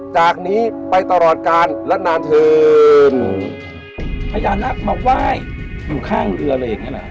จากนี้ไปตลอดกาลและนานเถินพญานาคมาไหว้อยู่ข้างเรืออะไรอย่างเงี้แหละ